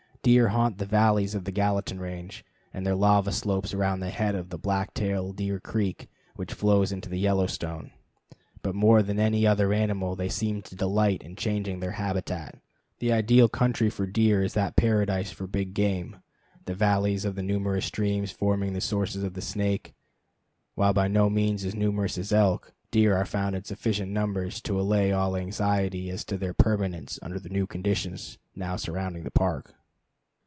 Deer haunt the valleys of the Gallatin Range and the lava slopes around the head of Black Tail Deer Creek, which flows into the Yellowstone; but more than any other animal they seem to delight in changing their habitat. The ideal country for deer is that paradise for big game, the valleys of the numerous streams forming the sources of the Snake. While by no means as numerous as elk, deer are found in sufficient numbers to allay all anxiety as to their permanence under the new conditions now surrounding the Park.